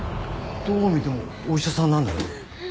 どう見てもお医者さんなんだけど。